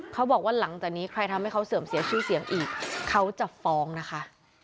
เขาบอกว่าหลังจากนี้ใครทำให้เขาเสื่อมเสียชื่อเสียงอีกเขาจะฟ้องนะคะ